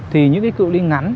thì những cái cựu ly ngắn